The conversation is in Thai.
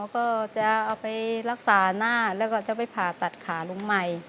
ก็จะเอาไปรักษาหน้าแล้วก็จะไปผ่าตัดขาลุงใหม่